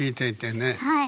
はい。